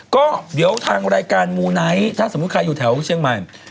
ก็เดี๋ยวทางรายการมูไนท์ถ้าสมมุติใครอยู่แถวเชียงใหม่